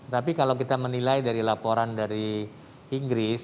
tapi kalau kita menilai dari laporan dari inggris